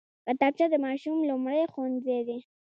کتابچه د ماشوم لومړی ښوونځی دی